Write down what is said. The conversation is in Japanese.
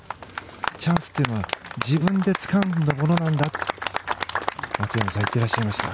チャンスっていうのは自分でつかんだものなんだって松山さんは言っていらっしゃいました。